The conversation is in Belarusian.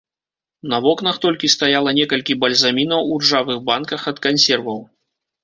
На вокнах толькі стаяла некалькі бальзамінаў у ржавых банках ад кансерваў.